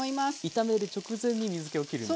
炒める直前に水けをきるんですね。